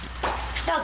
どうぞ！